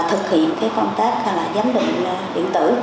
thực hiện cái công tác giám định điện tử